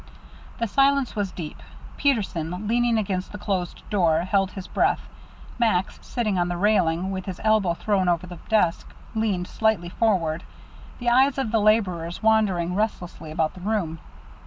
The silence was deep. Peterson, leaning against the closed door, held his breath; Max, sitting on the railing with his elbow thrown over the desk, leaned slightly forward. The eyes of the laborers wandered restlessly about the room.